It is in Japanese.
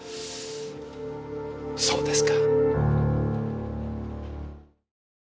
そうですか。